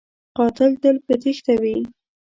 قاتل تل په تیښته وي